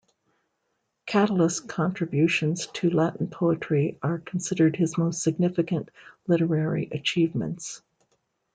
Catulus's contributions to Latin poetry are considered his most significant literary achievements.